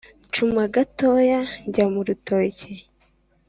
ncuma gatoya njya mu rutoki